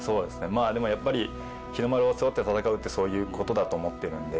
でも、日の丸を背負って戦うってそういうことだと思っているので。